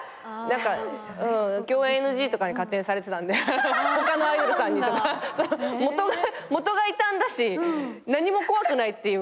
共演ＮＧとかにされてたんで他のアイドルさんにとか。元が異端だし何も怖くないっていうか。